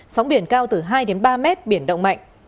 sóng biển cao từ hai đến ba mét biển động mạnh